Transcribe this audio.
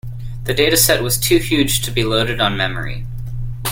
The dataset was too huge to be loaded on memory.